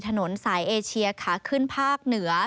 ถนนสายเอเชียขาขึ้นภาคเหนือ